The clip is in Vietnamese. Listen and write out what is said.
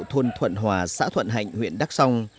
thôn thuận hòa xã thuận hạnh huyện đắc sông